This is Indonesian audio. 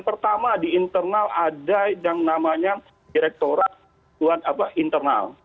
pertama di internal ada yang namanya direkturat internal